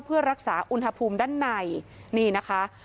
เพื่อรักษาอุณหภูมิด้านในนี่นะคะ